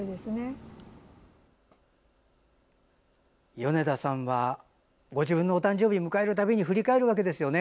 米田さんはご自分のお誕生日を迎えるたびに振り返るわけですよね